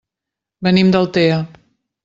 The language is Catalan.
Venim d'Altea.